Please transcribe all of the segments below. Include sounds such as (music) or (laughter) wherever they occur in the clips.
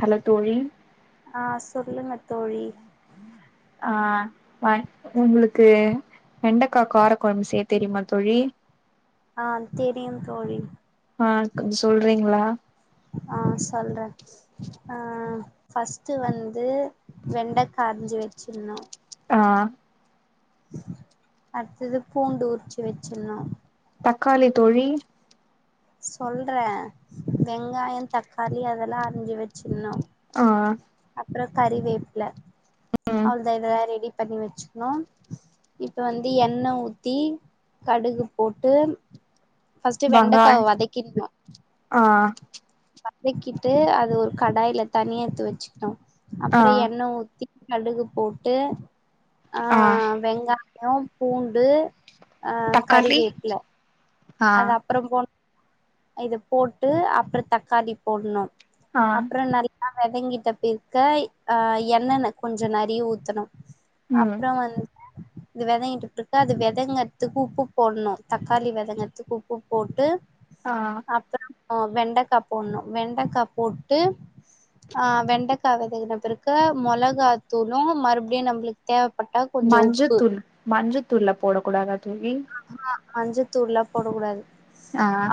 hello தோழி ஆ சொல்லுங்க தோழி ஆ வாய் ஒங்குளுக்கு வெண்டக்கா கார கொழம்பு செய்ய தெரியுமா தோழி ஆ தெரியும் தோழி ஆ கொஞ்சு சொல்றீங்ளா ஆ சொல்ற அ ஃபஸ்ட்டு வந்து வெண்டக்கா அர்ஞ்சு வெச்சிர்னு ஆ அட்த்துது பூண்டு உர்ச்சி வெச்சிண்ணு தக்காளி தோழி சொல்றே வெங்காயொ தக்காளி அதெல்லா அர்ஞ்சி வெச்சிண்ணு ஆ ப்ற கறிவேப்ல ம் அவுள்தா இதல ரெடி பண்ணி வெச்சிக்ணு இப்ப வந்து எண்ண ஊத்தி கடுகு போட்டு ஃபஸ்ட்டு வெங்காய் வெண்டக்காவு வதக்கின்னோ ஆ வெக்கிட்டு அத ஒரு கடாய்ல தனிய எத்து வெச்சிக்னு ஆ அப்ற எண்ண ஊத்தி கடுகு போட்டு ஆ வெங்காயோ பூண்டு அ தக்காளி கறிவேப்ல ஆ அத அப்ரம்போன் இத போட்டு அப்புற தக்காளி போட்ணு ஆ அப்றோ நல்லா வதங்கிட்ட பெருக்கய் அ எண்ணென கொஞ்சோ நறிய ஊத்தணு ம் அப்புறோ வ இது வெதங்கிட்டுட்டு அது வெதங்கறதுக்கு உப்பு போட்ணு தக்காளி வெதங்க த்துகு உப்பு போட்டு ஆ அ வெண்டக்கா போண்ணு வெண்டக்கா போட்டு அ வெண்டக்கா வெதங்ன பிறக்கு மொளகாத்தூளு மறுப்டியு நம்புளுக் தே மஞ்சத்தூள் மஞ்சத்தூள்லா போடக் கூடாதா தோழி ஆஹா மஞ்சத்தூள்லா போட கூடாது அ அ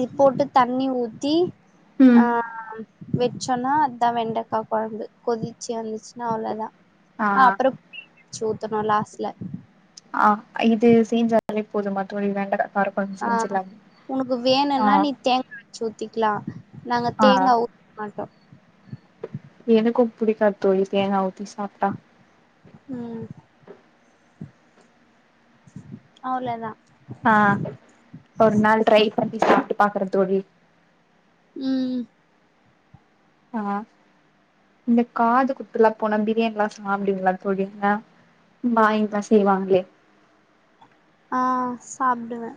இத் போட்டு தண்ணி ஊத்தி ம் அ ம் வெச்சன்னா அத்தா வெண்டக்கா கொழம்பு கொதிச்சி வந்திச்சினா அவ்ளதா ஆ அப்ற (inaudible) ச்சு ஊத்தணு லாஸ்ட்ல ஆ இது செய்ஞ்சாலே போதுமா தோழி வெண்டக்கா கார கொழம்பு செய்ஞ்சிர்லா உனுக்கு வேணுன்னா நீ தேங் (inaudible) ச்சு ஊத்திக்லா நாங்க ஆ தேங்கா (inaudible) மாட்டோ எனுக்கு புடிக்கா தோழி தேங்கா ஊத்தி சாப்ட்டா ம் அவ்ளதா அ ஒரு நாள் ட்ரை பண்ணி சாப்ட்டு பாக்றே தோழி ம்ம் அஹ இந்த காது குத்துல்லா போனா பிரியாண்ல்லா சாப்டுவிங்ளா தோழி ங்க பாய்ங்ளா செய்வாங்ளே ஆ சாப்டுவே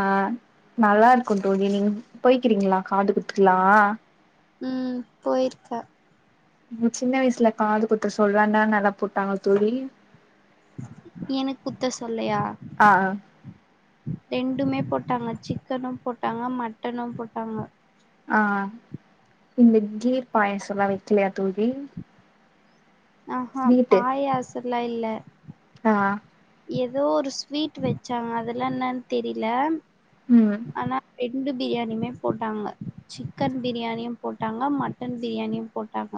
அ நல்லாருக்குந் தோழி நீங் போய்கிறிங்ளா காது குத்துக்லா ம் போய்ருக்க ங்க சின்ன வய்சுல காது குத்த சொல்ற‌ன்னன்னா நக போட்டாங்க தோழி எனுக் குத்த சொல்லையா ஆ ரெண்டுமே போட் டாங்க சிக்கனும் போட்டாங்க மட்டனும் போட்டாங்க ஆ இந்த கீர் பாயாசல்லா வெக்லியா தோழி ஆஹா பாயாசல்லா இல்ல அ அ எதோ ஒரு ஸ்வீட் வெச்சாங்க அதல்லா என்னன் தெரில ம் ஆனா ரெ ண்டு பிரியாணிமே போட்டாங்க சிக்கன் பிரியாணியும் போட்டாங்க மட்டன் பிரியாணியும் போட்டாங்க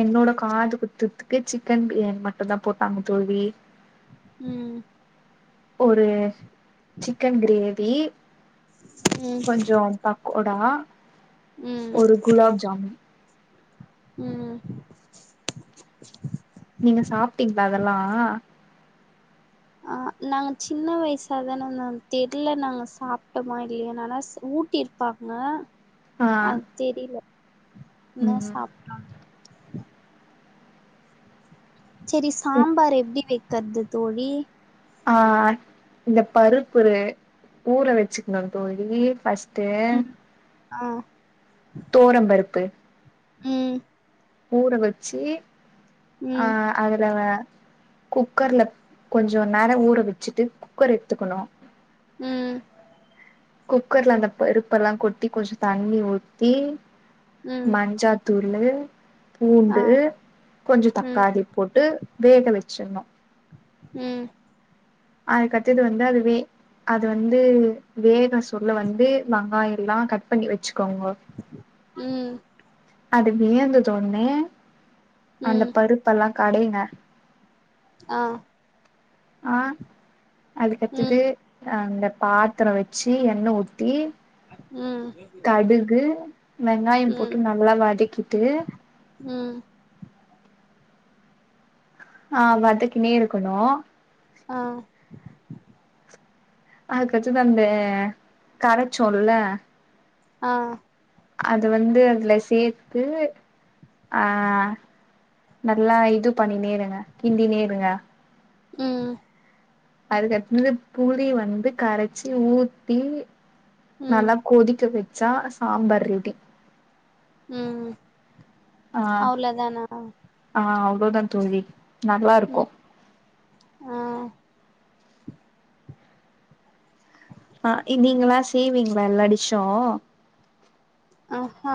என்னோட காது குத்துதுக்கு சிக்கன் பிரியாணி மட்டுந்தா‌ போட்டாங்க தோல்வி ம் ஒரு சிக்கன் கிரேவி ம் கொஞ்சோ பக்கோடா ம் ஒரு குலாப்ஜாமு ம் நீங்க சாப்டிங்ளா அதல்லா அ நாங்க சின்ன வய்சா தானந்தோ தெர்ல நாங்க சாப்ட்டமா இல்லியானு ஆனா ஸ் ஊட்டிர் பாங்க ஆ அத் தெரில ன்ன ம் சாப்டோனு செரி சாம்பார் எப்டி வெக்கற்து தோழி ஆ இந்த பருப்புரு ஊர வெச்சுக்ணு தோழி ஃபஸ் ட்டு அ தொவரம் பருப்பு ம் ஊற வச்சி அ ம் அதுல வ குக்கர்ல கொஞ்சோ நேர ஊற வச்சுட்டு குக்கர் எடுத்துக்கணு ம் குக்கர்ல அந்த பருப்பெல்லா கொட்டி கொஞ்ச தண்ணி ஊத்தி ம் மஞ்சாத் தூளு ஆ பூண்டு கொஞ்ச ம் தக்காளி போட்டு வேகவெச்சுன்னு ம் அதுக்கத்தது வந்து அதுவே அது வந்து வேக சொல்ல வந்து வங்காய ல்லா கட் பண்ணி வச்சுக்கோங்கோ ம் அது வேகுந்தொன்னே அந்த ம் பருப்பெல்லா கடைங்க ஆ ஆ அதுக்கத்தது ம் அந்த பாத்திர வச்சி எண்ணெ ஊத்தி ம் கடுகு வெங்காயம் ம் போட்டு நல்லா வதக்கிட்டு ம் ஆ வதக்கினே இருக்கணூ ஆ அதுக்கடுத்தது அந்த கரச்சோல்ல ஆ அது வந்து அதுல சேத்து ஆ நல்லா இது பண்ணினேயிருங்க கிண்டினேருங்க ம் அதுக்கடுத்தது புளி வந்து கரச்சி ஊத்தி ம் நல்லா கொதிக்க வெச்சா சாம்பார் ரெடி ம் ஆ அவ்ளதானா ஆ அவ்ளோதா தோழி நல்லா இருக்கூ ம் ஆ ஆ நீங்களா செய்வீங்ளா எல்லா டிஸ்ஸு ஆஹா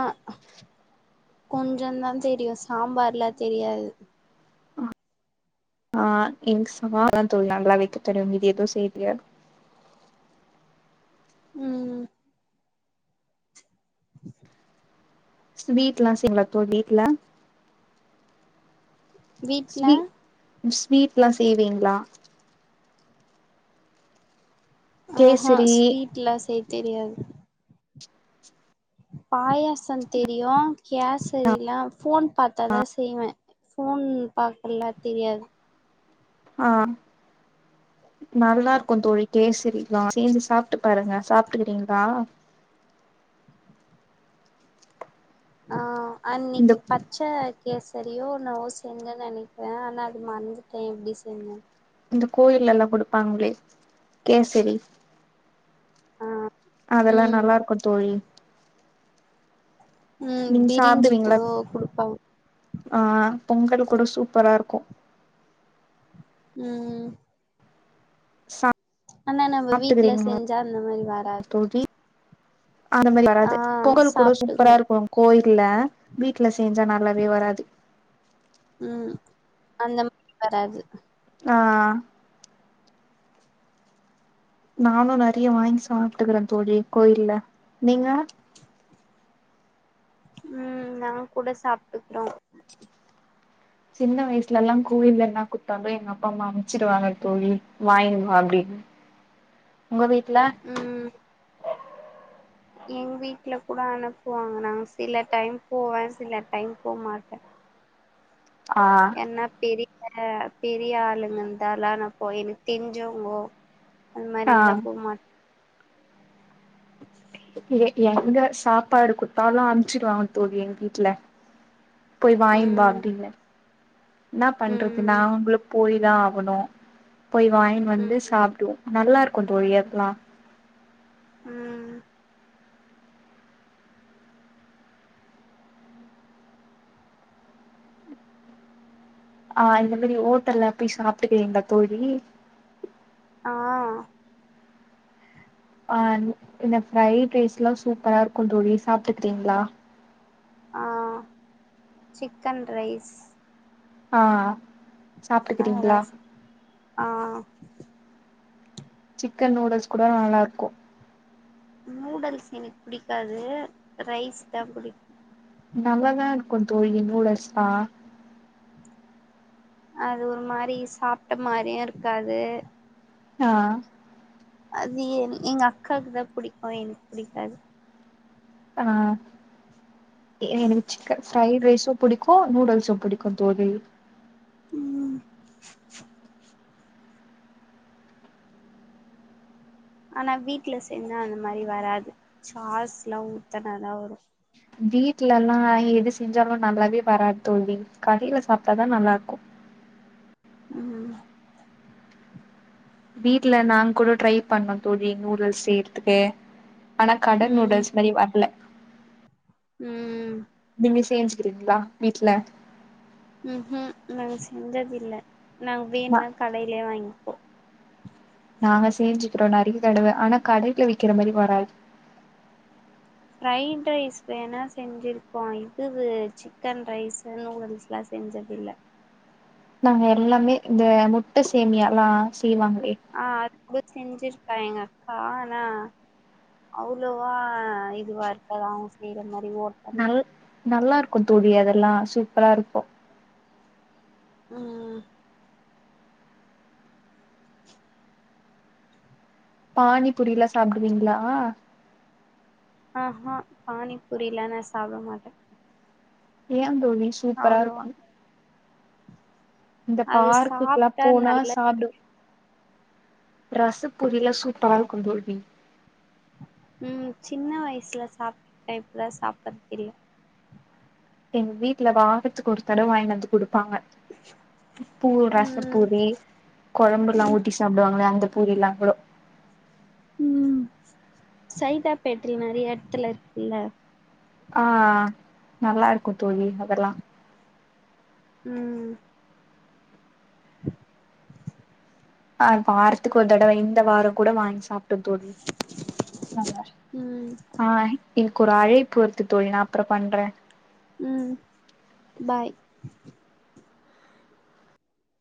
கொஞ்ச தான் தெரியு சாம்பார்ல்லா தெரியாது ஆ (unintelligible) தோழி நல்லா வைக்க தெரியு மீதி எது செய்ய தெரியாது ம் ஸ்வீட்ல்லா செய்வீங்களா தோழி வீட்ல வீட்ல ஸ்வீட்ல்லா செய்வீங்ளா ஆஹா கேசரி ஸ்வீட்லா செய்ய தெரியாது பாயாசந் தெரியு கேசரில்லா ஃபோன் பாத்தாதா செய்வ ஃபோன் பாக்கல்லா தெரியாது ஆ நல்லாருக்கூ தோழி கேசரிலா சேஞ்சி சாப்ட்டு பாருங்க சாப்ட்ருக்கீங்ளா ஆ இந்த அன்னிக்கி பச்ச கேசரியோ நவோ செஞ்சே நெனக்கிற ஆனா அது மறந்துட்டே எப்படி செஞ்சேன் இந்த கோயில்லலா கொடுப்பாங்ளே கேசரி ஆ அதெல்லா ம் நல்லாருக்கூ தோழி ம் நீங் பிரிஞ்சி சாப்டுவீங்களா கூட குடுப்பாங்க ஆ பொங்கல் கூட சூப்பரா இருக்கூ ம் ஆனா நம்ப வீட்ல சாப்ட்டுக்கிறீங்களா செஞ்சா இந்த மாரி வராது தோழி அந்த மாரி வராது ஆ பொங்கல் கூட சூப்பரா சாப்ட்டுக்குறோ இருக்கு கோய்ல் ல்ல வீட்ல செஞ்சா நல்லாவே வராது ம் அந்த மாரி வராது ஆ நானு நெறைய வாங்கி சாப்ட்டுக்குறே தோழி கோயில்ல நீங்க (unintelligible) ம் நா கூட சாப்ட்டுக்றோ சின்ன வய்சுலலா கோவில்ல என்னா குட்த்தாலு எங்க அப்பாம்மா அம்ச்சுருவாங்க தோழி வாங்கினுவா அப்டின்னு உங்க வீட்ல எங் வீட்ல கூட அனுப்புவாங்க நாங்க சில டைம் போவே சில டைம் போ மாட்டே ஆ என்ன பெரி அ பெரிய ஆளுங்க இருந்தாலா நா போய் எனக்கு தெரிஞ்சவ்ங்கோ அந் மாரி ஆ இருந்தா போகமாட் ஏ எங்க சாப்பாடு குட்த்தாலு அம்ச்சுருவாங்க தோழி எங் வீட்ல போய் வாய்ம்பா ம் அப்டினு இன்னா பண்றது ம் நாங்களு போய் தா ஆகணு போய் வாங்கின் வந்து ம் சாப்டுவோ நல்லா இருக்கு தோழி அதுக்குலா ம் ஆ இந்த மாரி ஓட்டல்ல போய் சாப்ட்டுக்கிறீங்ளா தோழி ஆ ஆன் இந்த ஃப்ரைட் ரைஸ்லா சூப்பரா இருக்கு தோழி சாப்ட்டுகிறீங்ளா ஆ சிக்கன் ரைஸ் ஆ ஆ சாப்ட்டுகிறீங்ளா ரஸ் ஆ சிக்கன் நூடுல்ஸ் கூட நல்லா இருக்கு நூடல்ஸ் எனக்கு புடிக்காது ரைஸ் தா புடிக்கு நல்லாதா இருக்கு தோழி நூடல்ஸ் தா அது ஒரு மாரி சாப்ட்ட மாரியு இருக்காது ஆ அது ஏன் எங் அக்காக்கு தா புடிக்கு எனக்கு புடிக்காது ஆ எனக்கு சிக்கன் ஃப்ரைட் ரைஸ்சு புடிக்கு நூடுல்ஸு புடிக்கு தோழி ம் ஆனா வீட்ல செஞ்சா அந்த மாரி வராது சார்ஸ்லா ஊத்தனா தா வரு வீட்லெல்லா எது செஞ்சாலு நல்லாவே வராது தோழி கடைல சாப்ட்டாதா நல்லா இருக்கு (inaudible) ம் வீட்ல நாங் கூட ட்ரை பண்ணோ தோழி நூடுல்ஸ் செய்யற்துக்கு ஆனா கட ம் நூடுல்ஸ் மாரி வர்ல ம் புரியுங்ளா வீட்ல ம் ம் நாங்க செஞ்சதில்ல நாங் நா வேண்ணா கடைலே வாங்கி நாங்க சேஞ்சுக்றோ நெறைய தடவ ஆனா கடைல விக்கிற மாரி வராது ஃப்ரைட் ரைஸ் வேணா செஞ்சிருக்கோ இதுது சிக்கன் ரைஸு நூடுல்ஸ்லா செஞ்சது இல்ல நாங்க எல்லாமே இந்த முட்ட சேமியாலா செய்வாங்களே நூடுல்ஸ் செஞ்சிருப்பே எங்க அக்கா நா அவ்ளோவா இதுவா இருக்காது அவ்ங்க செய்ற மாரி ஓட்டல் நல் நல்லா இருக்கு தோழி அதெல்லா சூப்பரா இருக்கு ம் ம் பானிபுரிலா சாப்டுவீங்ளா ஆஹா பானிபூரிலா நா சாப்பட மாட்டே ஏ தோழி சூப்பரா இருக்கு அவ்ளோவா இந்த அது பார்க்குக்குல்லா சாப்ட்டா போனா நல்லது சாப்டு ரச பூரில சூப்பரா இருக்கு தோழி ம் சின்ன வயசுல சாப்ட்ருக்கே இப்பல்லா சாப்டதில்ல எங்க வீட்டு்ல வாரத்துக்கு ஒரு தடவ வாங்கி வந்து குடு பூ ம் ரசப்பூரி கொழம்புல்லா ஊத்தி சாப்டுவாங்கள அந்த பூரிலாங்கொட சைதாப்பேட்றி நெறைய எடத்துல இருக்குல்ல ஆ நல்லாருக்கும் தோழி அதெல்லா ம் ஆ வாரத்துக்கு ஒரு தடவ இந்த வார கூட வாங்கிச்ச சாப்ட்டோ தோழி நல்லா ம் ஆ எனக்கு ஒரு அழைப்புறுத்து தோழி நா அப்பற பண்றே ம் பாய்